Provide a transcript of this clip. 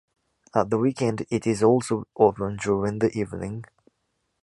At the weekend it is also open during the evening.